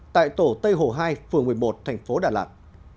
tại tổ tây hồ hai phường một mươi một tp đà lạt